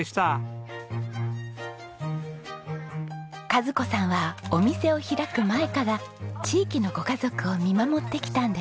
和子さんはお店を開く前から地域のご家族を見守ってきたんです。